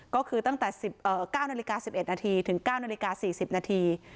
ก็คือตั้งแต่๑๙นาฬิกา๑๑นาทีถึง๙นาฬิกา๔๐นาที